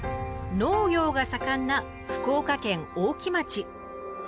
農業が盛んな福岡県大木町。